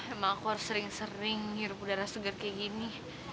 emang aku harus sering sering hirup udara segar kayak gini